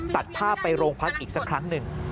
ตัดภาพไปโรงพักอีกสักครั้งหนึ่ง